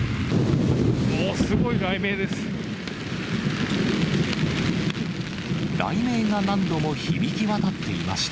おおっ、すごい雷鳴です。